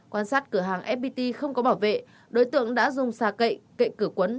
quan sát cửa hàng fpt không có bảo vệ đối tượng đã dùng xà cậy cậy cửa quấn